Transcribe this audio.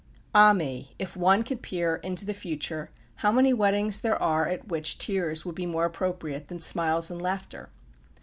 Ah me, if one could peer into the future, how many weddings there are at which tears would be more appropriate than smiles and laughter!